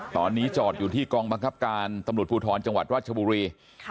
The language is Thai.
ตอนนี้จอดอยู่ที่กองบังคับการตำรวจภูทรจังหวัดราชบุรี